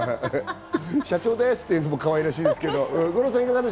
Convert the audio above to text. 社長ですっていうのもかわいらしいけれど。